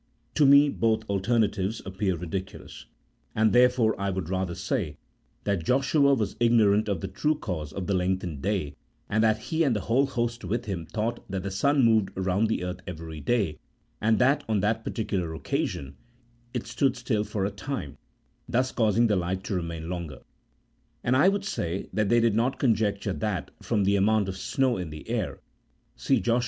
To me both alternatives appear ridiculous, and D 34 A THEOLOGMCO POLITICAL TREATISE. [CHAP. II. therefore I would rather say that Joshua was ignorant of the true cause of the lengthened day, and that he and the whole host with him thought that the sun moved round the earth every day, and that on that particular occasion it stood still for a time, thus causing the light to remain longer ; and I would say that they did not conjecture that, from the amount of snow in the air (see Josh.